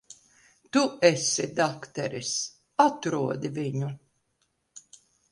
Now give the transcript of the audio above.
Tu esi dakteris. Atrodi viņu.